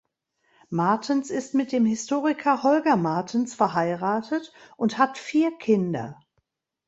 Martens ist mit dem Historiker Holger Martens verheiratet und hat vier Kinder.